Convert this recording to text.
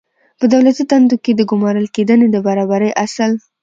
په دولتي دندو کې د ګمارل کېدنې د برابرۍ اصل